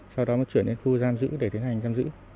sau đó mới chuyển đến khu giam giữ để tiến hành giam giữ